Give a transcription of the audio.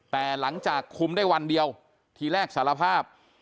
แต่หลังจากคุมได้วันเดียวทีแรกสารภาพ